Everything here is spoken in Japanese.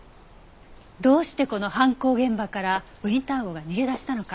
どうしてこの犯行現場からウィンター号が逃げ出したのか。